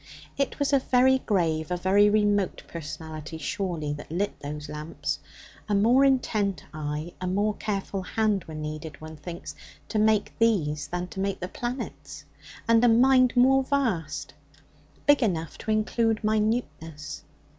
It was a very grave, a very remote personality, surely, that lit those lamps. A more intent eye, a more careful hand were needed, one thinks, to make these than to make the planets, and a mind more vast, big enough to include minuteness.